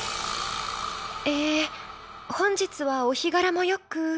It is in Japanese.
「えー本日はお日柄もよくー」。